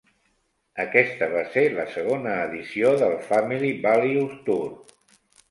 Aquesta va ser la segona edició del Family Values Tour.